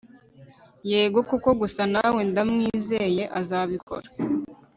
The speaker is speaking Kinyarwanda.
Yego koko gusa nawe ndamwizeye azabikora